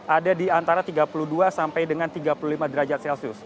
ada di antara tiga puluh dua sampai dengan tiga puluh lima derajat celcius